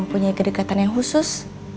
punya kedekatan yang khusus